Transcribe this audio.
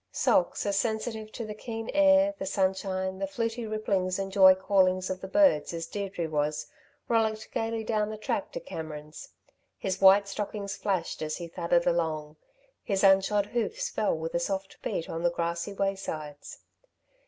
Socks, as sensitive to the keen air, the sunshine, the fluty ripplings and joy callings of the birds as Deirdre was, rollicked gaily down the track to Cameron's. His white stockings flashed as he thudded along; his unshod hoofs fell with a soft beat on the grassy waysides.